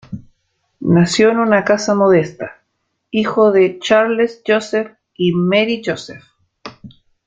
Nació en una casa modesta, hijo de Charles-Joseph y Marie-Joseph.